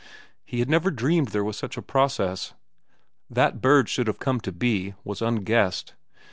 He had never dreamed there was such a process. That birds should have come to be, was unguessed.